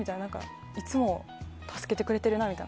いつも助けてくれてるなみたいな。